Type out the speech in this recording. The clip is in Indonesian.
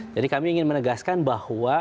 jadi kami ingin menegaskan bahwa